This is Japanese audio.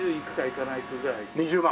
２０万。